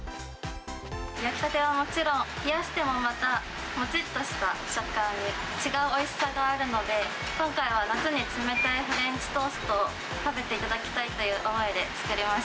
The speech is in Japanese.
焼きたてはもちろん、冷してもまた、もちっとした食感の違うおいしさがあるので、今回は夏に冷たいフレンチトーストを食べていただきたいという思